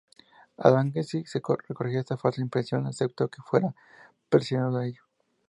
Adamski no corregía esa falsa impresión "excepto que fuera presionado a ello.